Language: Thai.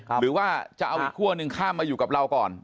หรือว่าจะเอาอีกคั่วหนึ่งข้ามมาอยู่กับเราก่อน